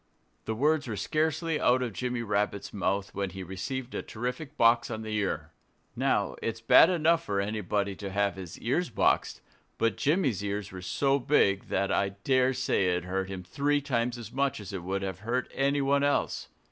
The words were scarcely out of Jimmy Rabbit's mouth when he received a terrific box on the ear. Now, it's bad enough for anybody to have his ears boxed. But Jimmy's ears were so big that I dare say it hurt him three times as much as it would have hurt anyone else.